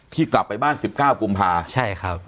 กลับไปบ้าน๑๙กุมภาใช่ครับ